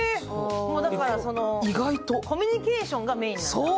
だからコミュニケーションがメインなのね。